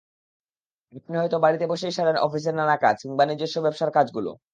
আপনি হয়তো বাড়িতে বসেই সারেন অফিসের নানা কাজ, কিংবা নিজস্ব ব্যবসার কাজগুলো।